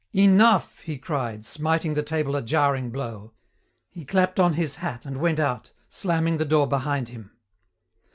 "Enough!" he cried, smiting the table a jarring blow. He clapped on his hat and went out, slamming the door behind him.